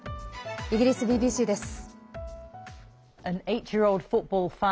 イギリスＢＢＣです。